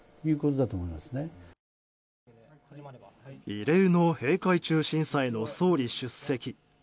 異例の閉会中審査への総理出席。